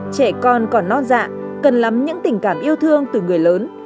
trẻ con còn non dạ cần lắm những tình cảm yêu thương từ người lớn